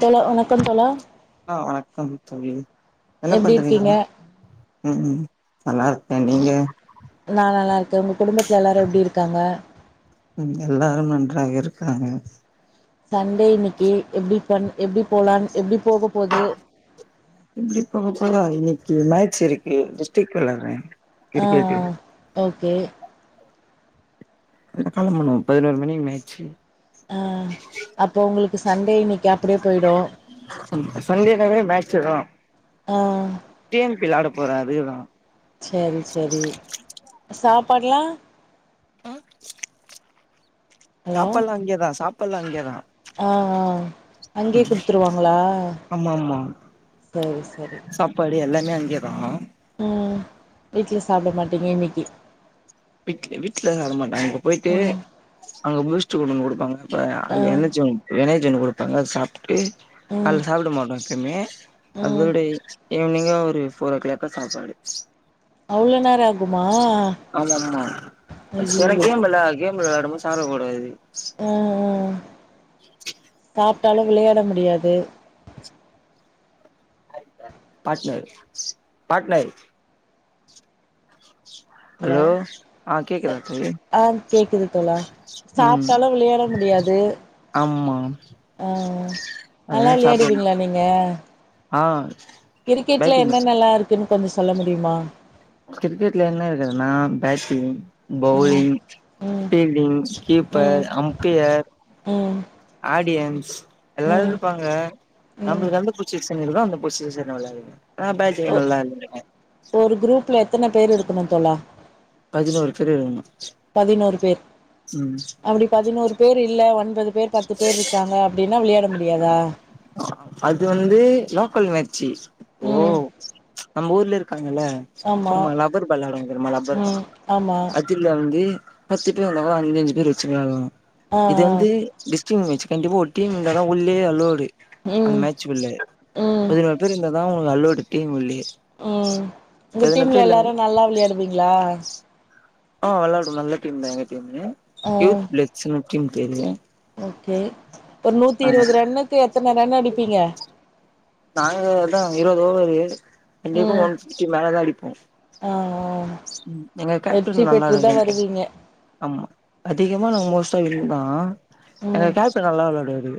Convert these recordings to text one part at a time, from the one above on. தோழா வணக்கம் தோழா என்ன எப்டி பண்றீங்க இருக்கீங்க ம் நல்லா இருக்கே நீங்க ந நல்லா இருக்க உங்க குடும்பத்தில் எல்லாரு எப்டி இருக்காங்க எல்லாரும் நன்றாக இருக்காங்க சண்டே இன்னிக்கு எப்டி பண் எப்டி போலான் எப்டி போக போது இப்ப போலா இன்னைக்கு மேச் இருக்கு டிஸ்டிக் வெளாற அ ஆ ஓகே காலம் பண்ணுவோ பதினோரு மணிக்கு மேய் அ அ அப்போ உங்ளுக்கு சண்டே இன்னைக்கு அப்டியே போயிடு சண்டேதடவையு மேச் இதுதா ஆ டிஎம்பி வெலாட போறா அதுலா சரி சரி சாப்பாடுலா ஹலோ சாப்பாடுல்லா இங்கேதா சாப்பாடுல்லா இங்கேதா ஆ ஆ அங்கேயே குடுத்துருவாங்களா ஆமா ஆமா சரி சரி சாப்பாடு எல்லாமே அங்கேதா ஆ வீட்ல சாப்ட மாட்டேங்க இன்னைக்கி வீட் வீட்ல அத மாட்டாங்க இங்க போயிட்டு ம் அங்க [unintelligible] கொண்டு குடுப்பாங்க அப்ப ஆ அது எண்ணெய் எண்ணெயச்சண்ணு குடுப்பாங்க அத சாப்ட ம் அதுல சாப்ட மாட்டோ எப்பவுமே ம் அதோட ஈவினிங்க ஒரு போர் ஓ கிளாக்கா சாப்பாடு அவ்ள நேரா ஆகு ஆமா ஆமா ஐயையோ எனக்கேம் பெல்லா கேம்ல விளாயாடும்போது சாப்புடகூடாது அ அ அ [unintelligible] அப்பாள விளையாட முடியாது பாட்னர் பாட்னர் ஹலோ ஆ கேக்குதா தோழி ஆ கேக்குது தோழா ம் சாப்டாலு விளையாட முடியாது ஆமா ஆ நல்லா அதெல்லா சாப்ட விளையாடுவீங்ளா மாட்டோ நீங்க ஆ கிரிக்கெட்ல பேட்டிங் என்னென்னலா இருக்குன்னு கொஞ்ச சொல்ல முடியுமா கிரிக்கெட்ல என்ன இருக்குதுனா பேட்டிங் ம் பௌலிங் ம் ஃப்ல்டிங் கீப்பர் ம் அம் பியர் ம் ஆடியன்ஸ்ஸு எல்லாரு ம் இருப்பாங்க ம் நம்ளுக்கு எந்த பொச்ஷன் இருக்குதோ அந்த பொச்ஷன் விளாடுவே ஆ பேட்டிங் நல்லா [unintelligible] ஒரு குரூப்ல எத்தன பேர் இருக்கணு தோழா பதினோரு பேரு இருக்குனு பதினோரு பேர் ம் அப்டி பதினோரு பேர் இல்ல ஒன்பது பேர் பத்து பேர் இருக்காங்க அப்டின்னா விளையாட முடியாதா அது வந்து லோக்கல் மேச்சி இப்போ ம் நம்ம ஊர்ல இருக்காங்கல்ல ஆமா சும்மா ரப்பர் பால் விளடுவாங்க தெர்மா ரப்பர் ம் ஆமா ப துல வந்து பத்து பேர் இருந்தகூட அஞ்ச அஞ்சு பேர் வச்சு விளட்டுல ஆ ஆ இத வந்து டிஸ்டிங் மேட்ச் கண்டிப்பா ஒரு டீம் இந்ததா உள்ளயே அல்லோடு அந்த ம் மேட் ச்சிகுள்ளே ம் பதினொரு பேர் இருந்தாதா உங்ளுக்கு அல்லோடு டீம்குள்ளியே ம் உங்க டீம்ல எல்லாரு நல்லா விளயாடுவீங்களா ஆ விளாடு நல்ல டீம்தா எங்க டீமு ஆ யூத் பிளட்சின்னு டீம் பேரு ஓகே ஒரு நூத்தி ஆ இருவது ரன்னுக்கு எத்தன ரன் அடிப்பீங்க நாங்க அதா இருவது ஓவரு கண்டிப்ப ம் ஒன் ஃபிப்டி மேல தா அடிப்போ ஆ ஆ ம் எங்க வெற்றி கேட்டன் நல்லா பெற்றுதா [unintelligible] வருவீங்க ஆமா அதிகமா நாங்க மோஸ்டா வின்னுதா எங்க ம் கேப்ட நல்லா விளாட்டுவாரு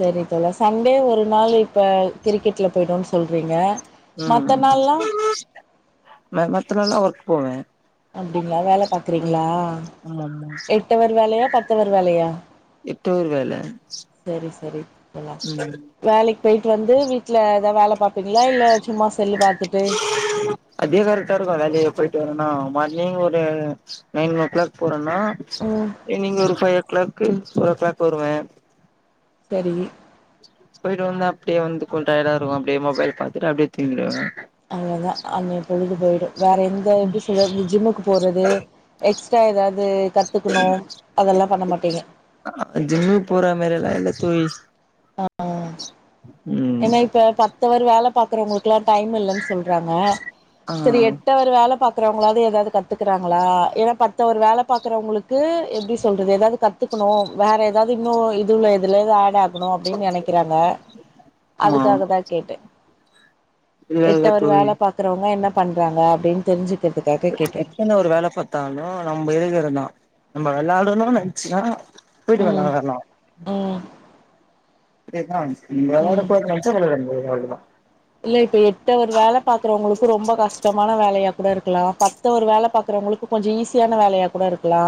செரி தோழா சண்டே ஒரு நாள் இப்ப கிரிக்கெட்டுல போய்டும்ன்னு சொல்றீங்க ம் மத்த ம் நாள்லா ம் நா மத்த நாள்ள ஒர்க்கு போவே அப்டிங்களா வேல ம் பாக்குறீங்களா ஆமா ஆமா எட்டவர் வேலையா பத்தவர் வேலையா எட்டு அவர்வேல செரி செரி தோழா வேலைக் போய்ட்டு வந்து வீட்டுல ஏதாவ் வேல பாப் பிங்ளா இல்ல சும்மா செல்லு பாத்துட்டு அதே கரெக்டா இருக்கு வேலையே போய்ட்டு வரனா மார்னிங் ஒரு நைன் ஓ க்ளாக் போறோன்னா ம் ஈவினிங் ஒரு five o'clock four o'clock வருவே சரிங்க போய்ட்டு வந்து அப்டியே வந்து கொஞ்ச டயர்டா இருக்கு அப்டியே மொபைல் பாத்துட்டு அப்டியே தூங்கிடுவே அவ்ளோதா அன்னைய பொழுது போய்டு வேற எந்த எப்டி சொல்றது இந்த ஜிம்முக்கு போறது எக்ஸ்ட்ரா ஏதாவ்து கத்துக்கணு அதெல்லா பண்ண மாட்டீங்க அ அ ஜிம்மு போற மாரியெல்லா இல்ல தோழி ஆ ஆ ம் ஏன்னா இப்ப பத்துவர் வேல பாக்குறவங்களுக்குல்லா டைம் இல்லன் சொல்றாங்க ஆ செரி எட்டவர் வேலை பாக்குறவங்களது ஏதாது கத்துக்கிறாங்களா என்னா பத்தவர் வேலை பாக்குறவங்களுக்கு எப்டி சொல்றது ஏதாது கத் துக்கணு வேறு ஏதாவ்து இன்னோ இதுல எதுலையாது ஆட் ஆகுணு அப்டின்னு நெனைக்கிறாங்க ஆமா அதுக்காக தா கேட்டே இல்ல இல்ல எட்டவர் தோழி வேல பாக்குறவங்க என்ன பண்றாங்க அப்டின்னு தெரிஞ்சுக்கிறதுக்காக கேட்டே பசங்க ஒரு வேல பாத்தாலு நம்ம [unintelligible] நம்ம விளாடணும்னு நெனைச்சுனா போய்ட்டு [unintelligible] ம் வர்ல ம் அதேதா இங்க ம் விளாடகூடாது நெனச்சா விள்ளாட முடியாது அவ்ளோதா இல்ல இப்ப எட்டவர் வேலை பாக்குறவங்களுக்கு ரொம்ப கஷ்டமான வேலையா கூட இருக்கலா பத் மத்த ஒரு வேலை பாக்கறவங்களுக்கு கொஞ்ச ஈஸியான வேலையா கூட இருக்கலா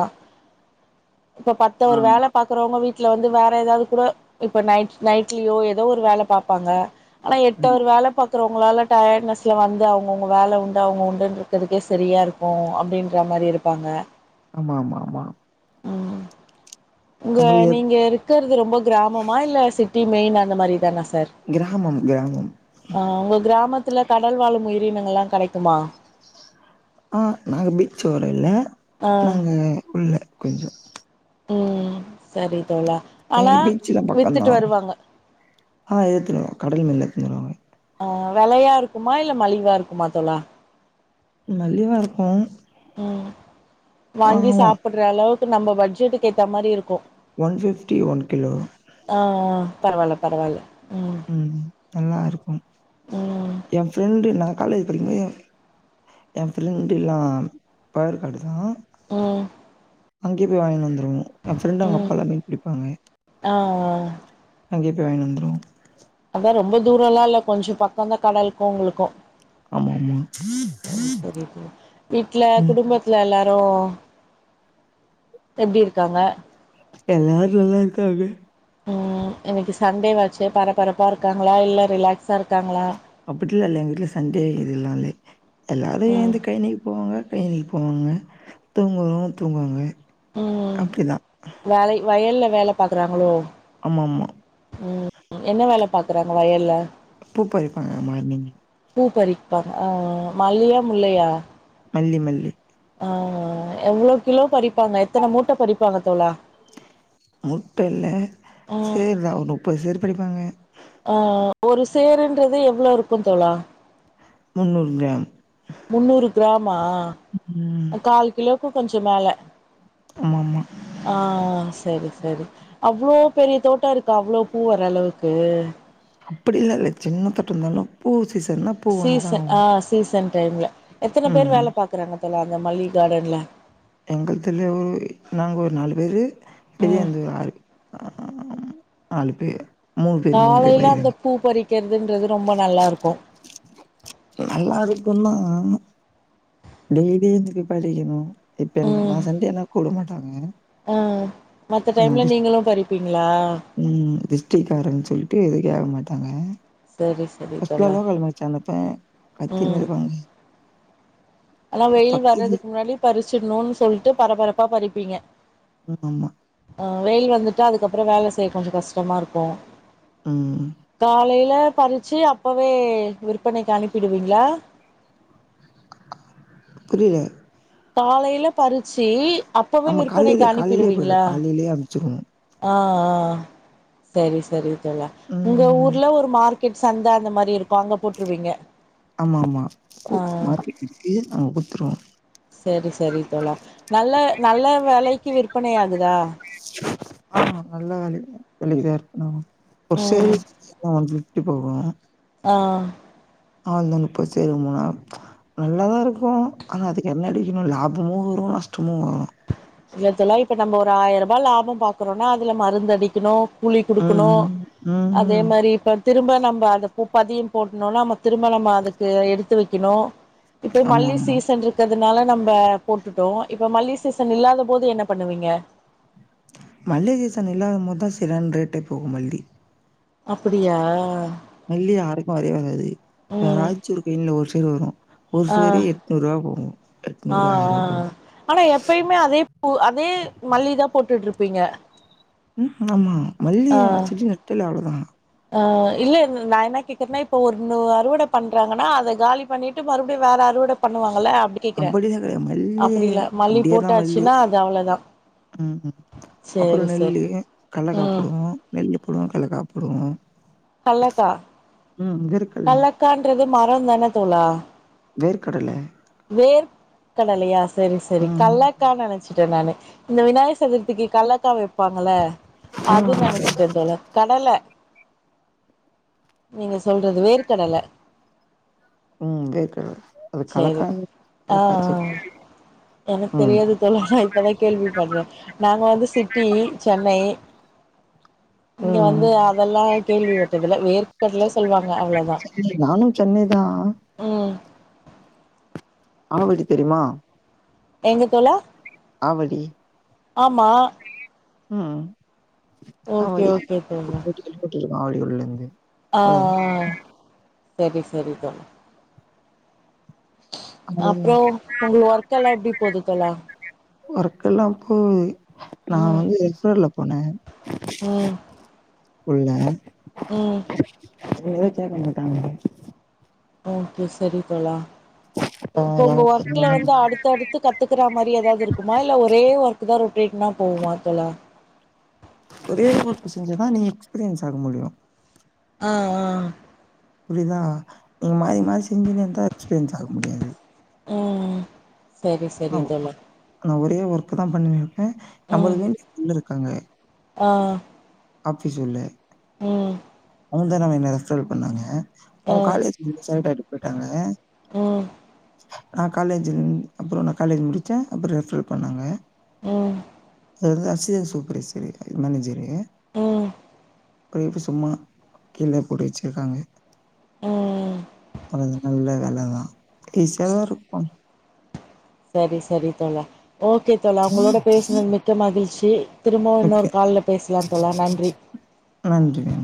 இப்ப பத்த ஆ ஒரு வேலை பாக்குறவங்க வீட்ல வந்து வேற எதாவது கூட இப்ப நைட் நைட்லயோ எதோ ஒரு வேலை பாப்பாங்க ஆனா எட்ட ஆமா வேல பாக்குறவங்களால டயட்னஸ்ல வந்து அவுங்கவுங்க வேல உண்டு அவுங்க உண்டுனு இருக்றதுக்கே செரியா இருக் கு அப்டின்ற மாரி இருப்பாங்க ஆமா ஆமா ஆமா ம் உங்க நம்மளுக்கு நீங்க இருக்கறது ரொம்ப கிராமமா இல்ல சிட்டி மெயின் அந்த மாரி தானா சார் கிராமம் கிராமம் உங்க கிராமத்துல கடல் வாழும் உயிரினங்கல்லா கெடைக்குமா ஆ நாங்க பீச் ஓர இல்ல ஆ நாங்க உள்ள கொஞ்சொ ம் சரி தோழா ஆனா எங்களுக்கு வித்துட்டு வருவாங்க அ எடுத்துனுருவாங் கடைலந்து எடுத்துன் வந்ருவாங்க ஆ வெலையா இருக்குமா இல்ல மலிவா இருக்குமா தோழா மலிவா இருக்கு ம் வாங்கி ஆமா சாப்படுற அளவுக்கு நம்ப பட்ஜெட்டுக்கேத்தா மாரி இருக்கு ஒன் ஃபிஃப்டி ஒன் கிலோ அ அ பரவால பரவால ம் ம் நல்லா இருக்கும் ம் எ ஃப்ரெண்டு் நா காலேஜ் படிக்கும்போது எ எ ஃப்ரெண்டுல்லா பயர் காடுதா ம் அங்கயே போய் வாங்கினு வந்துருவோ எ ஃப்ரெண்டு அவுங்க ம் அப்பாலா மீன் பிடிப்பாங்க ஆ அ அங்கயே போய் வாங்கினு வந்துருவோ அதா ரொம்ப தூரல்லா இல்ல கொஞ்ச பக்கந்தா கடலுக்கு உங்களுக்கு ஆமாமா [unintelligible] வீட்ல குடும்பத்துல எல்லாரு எப்டி இருக்காங்க எல்லாரு நல்லாருக்காங்க ம் இன்னக்கி சண்டே வாச்சே பரபரப்பா இருக்காங்களா இல்ல ரிலாக்ஸா இருக்காங்களா அப்டிலா இல்லே எங்க வீட்ல சண்டே இதிலா இல்லே எல்லாரு ம் எழுந்து கழனிக்கு போவாங்க கழனிக்கு போவாங்க தூங்குறவங்க தூங்குவாங்க அப்டிதா வலை வயல்ல வேல பாக்கறாங்களோ ஆமாமா ம் என்ன வேல பாக்கறாங்க வயல்ல பூ பொறிப்பாங்க மார்னிங் பூ பறிப்பாங்க ஆ மல்லியா முல்லையா மல்லி மல்லி அ அ எவ்ளோ கிலோ பறிப்பாங்க எத்தன மூட்ட பறிப்பாங்க தோழா முட்டல்ல ம் சேர் தா ஒரு முப்பது சேர் பறிப்பாங்க அ ஒரு சேருன்றது எவ்ளோ இருக்கு தோழா முன்னூறு கிராம் முன்னூறு கிராம் மா ம் கால் கிலோவுக்கு கொஞ்சோ மேல ஆமாமா ஆ செரி செரி அவ்ளோ பெரிய தோட்டோ இருக்கா அவ்ளோ பூ வர அளவுக்கு அப்படிலா இல்ல சின்னத்தோட்டன்னாலு பூ சீசன்னா பூ வந்துதா சீசன் ஆகு அ சீசன் டைம்ல எத்தன பேர் ம் வேல பாக்குறாங்க தோழா அந்த மல்லி காடன்ல எங்கத்துல ஒரு நாங்க ஒரு நாலு பேரு ம் வெளியேந்து ஒரு ஆறு அ நாலு பே காலைல அந்த பூப் பறிக்கறதுன்றது ரொம்ப நல்லாருக்கு நல்லாருக்குந்தா டெய்லிக்கி எந்துக்கு பறிக்கணு இப்போ என் நா ம் சண்டேன்னா கூப்ட மாட்டாங்க ஆ மத்த நா டைம்ல டிஸ் நீங்கதா பறிப்பீங்ளா ம் மிஷ்டேக் ஆயிருன் சொல்லிட்டு எதுலயு ஏற மாட்டாங்க சரி சரி ஃபஸ்ட் தோழா எவ்ளோ தெரிமா வச்சாங்க அப்ப பத்து இருவது ரூவானு அதா வெயில் பச்சது வர்றதுக்கு முன்னாடி பறிச்சிடணுன் சொல்லிட்டு பரபரப்பா பறிப்பீங்க ம் ஆமா ஆ வெயில் வந்துட்டா அதுக்கப்புறோ வேல செய்ய கொஞ்சொ கஷ்டமாருக்கு ம் ம் காலேல பறிச்சு அப்பவே விற்பனைக்கு அனுப்பிடுவீங்கிளா புரில காலேல பறிச்சு அப்பவே ஆமா விற்பனைக்கு காலையிலே காலையிலே போயிடு அனுப்பிடுவீங்கிளா காலையிலயே அனுப்ச்சிருவோ ஆ அ சரி சரி தோழா உங்க ம் ஊர்ல ஒரு மார்க் கெட் சந்த அந்த மாரி இருக்கு அங்க போட்ருவீங்க ஆ அ தி அ வித்துருவோ செரி செரி தோழா நல்ல நல்ல வெலைக்கு விற்பனை ஆகுதா ஆ நல்ல வெல [unintelligible] ஒரு ம் சுவரிக்கு வந்து ட்டு போவே ஆ அதுல நுப்பது சுவரி மூனா நல்லா தா இருக்கு ஆனா அதுக்கு என்ன கெடிக்கணு லாபமு வரு நஷ்டமு வரு இல்ல தோழா இப்ப நம்ம ஒரு ஆயர்ரூபா லாபம் பாக்கறோன்னா அதுல மருந்தடிக்கணு கூலி குடுக்கணு ம் ம் அதே ம் மாரி இப்ப திரும்ப நம்ம அந்த பூ பதியம் போட்ணுனா நம்ம திரும்ப நம்ம அதுக்கு எடுத்து வைக்கணு இப்போ ஆமா மல்லி ஆமா சீஸன் இருக்கிறதுனால நம்ம போட்டுட்டோ இப்ப மல்லி சீசன் இல்லாத போது என்ன பண்ணுவீங்க மல்லி சீஸன் இல்லாத போதா சரியான ரேட்டே போகும் மல்லி அப்புடியா மல்லி யாருக்கும் வரவே வராது யாராச்சு கின்ல ஒரு சேர் வரு ஒரு ஆ சுவரி எட்நூறு ரூபா போவு ஆ எட்நூறு ஆயிரூபா போவு ஆ ஆனா எப்பயும் பூ அதே மல்லிதா போட்டுட்டு ருப்பீங்க ம் ஆமா மல்லிய ஆ வச்சுட்டு நெட்டால அவ்ளதா ஆ இல்ல ந நா என்னா கேக்குறேன்னா இப்ப ஒன்னு அறுவட பண்றாங்கன்னா அத காலி பண்ணிட்டு மறுபடியு வேற அறுவட பண்ணுவாங்கல்ல அப்டி கேக்குறே அப்படிலா கெடையாது மல்லி அப்புடி இல்ல மல்லி போட்டாச்சுன்னா அது அவ்ளதா ம் ம் அப்பறோ நெல்லு கனகா ம் போடுவோ நெல்லு போடுவோ கல்லக்கா போடுவோ கல்லக்கா ம் வேர்க்கல்ல கல்லக்கான்றது மரம் தான தோழா வேர்க்கடல வேர்க்கடலையா சரி சரி ம் கல்லக்கா நெனச்ச ட்ட நானு இந்த விநாயக சதுர்த்திக்கு கல்லக்கா வைப்பாங்கள ஆ அது நெனச்சுட்ட தோழா கடல நீங்க சொல்றது வேர்க்கடல ம் வேர்க்கடல அது சேரி கல்லக்கா ஆ கல்லக்கா ஆ செடி எனக் ம் தெரியாது தோழா நா இப்பதா கேள்வி பட்ற நாங்க வந்து சிட்டி சென்னை இங்க ம் வந்து அதெல்லா கேள்வி பட்டதில்ல வேர்க்கடல சொல்லுவாங்க அவ்ளோ தா ம் சென்னைதா ம் ஆவடி தெரிமா எங்க தோழா ஆவடி ஆமா ம் ஓகே ஓகே தோழா கேள்விபட்ருக்கிங்களா ஆவடில இருந்து ஆ அவ்ளோதா ஆ சேரி சேரி தோழா அவ்ளோதா அப்புறோ உங்க ஒர்க்கெல்லா எப்டி போது தோழா ஒர்க்கெல்லாம் போது நா ம் வந்து எக்ஸ்வேர்ட்ட்ல போன ம் உள்ள ம் அங்கயே சேக்கமாட்டாங்க ஓகே சரி தோழா ஆ இப்ப உங்க ஒர்க்குல வந்து அடுத்தடுத்து த்து கத்துக்கற மாரி ஏதாவது இருக்குமா இல்ல ஒரே ஒர்க்குதா ரொட்டீனா போகுமா தோழா ஒரே ஒர்க் செஞ்சாதா நீங்க எக்ஸ்பீரியன்ஸ் ஆக முடியும் ஆ ஆ புரியுதா நீங்க மாறி மாறி செஞ்சுன்னந்தா எக்ஸ்பீரியன்ஸ் ஆக முடியாது ம் சரி நா சரி தோழா நா ஒரே ஒர்க் தான் பண்ணிருப்ப ம் நம்மளுக்கு வேண்டிய [unintelligible] ஆ ஆபீஸ் உள்ள ம் அவுங்க தா மேம் என்ன ரெஃப்ரல் பண்ணாங்க ஆ அவுங்க ம் காலேஜ் [unintelligible] ஆகிட்டு போயிட்டாங்க ம் நா காலேஜ்ந்து அப்புறம் நா காலேஜ் முடிச்ச அப்புறம் ரெஃப்ரல் பண்ணாங்க ம் [unintelligible] சூப்பர்வைசரு மேனேஜரு அப்புறோ எதுக்கு சும்மா கீழ போட்டு வச்சிருக்காங்க ம் அது நல்ல வேலதான் ஈசியாதா இருக்கு சரி சரி தோழா ஓகே தோழா உங்களோட பேசினது மிக்க மகிழ்ச்சி திரும்பவும் ஓகே இன்னொரு கால்ல பேசலாம் தோழா நன்றி நன்றி